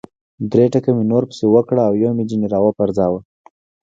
درې ټکه مې نور پسې وکړل او یو مې ځنې را و پرځاوه.